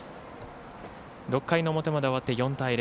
６回の表まで終わって４対０。